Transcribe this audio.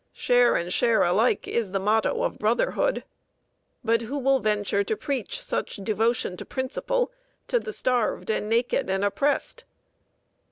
Share and share alike is the motto of brotherhood. But who will venture to preach such devotion to principle to the starved and naked and oppressed?